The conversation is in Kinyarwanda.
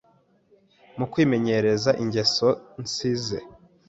mu kwimenyereze ingeso nzize.